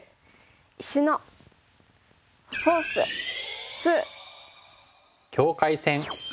「石のフォース２」。